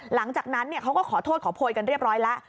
หลังจากนั้นเขาก็ขอโทษขอโพยกันเรียบร้อยแล้ว